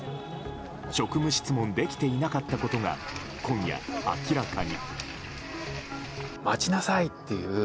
職務質問できていなかったことが今夜、明らかに。